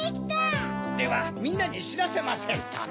ではみんなにしらせませんとな。